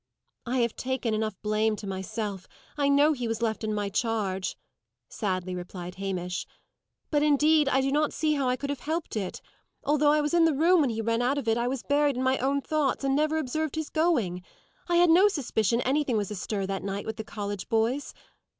"I have taken enough blame to myself; I know he was left in my charge," sadly replied Hamish; "but, indeed, I do not see how I could have helped it. Although I was in the room when he ran out of it, I was buried in my own thoughts, and never observed his going. I had no suspicion anything was astir that night with the college boys.